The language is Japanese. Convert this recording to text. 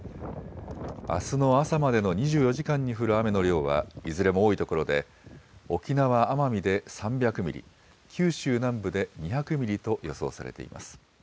あすの朝までの２４時間に降る雨の量はいずれも多いところで沖縄・奄美で３００ミリ、九州南部で２００ミリと予想されています。